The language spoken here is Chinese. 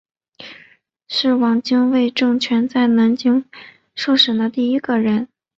是汪精卫政权中在南京受审的第一个人。